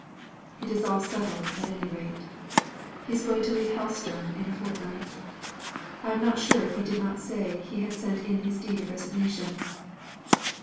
It is all settled at any rate. He is going to leave Helstone in a fortnight. I am not sure if he did not say he had sent in his deed of resignation."